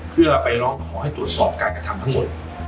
เพื่อขอตรวจสอบการกระทำทั้งหมด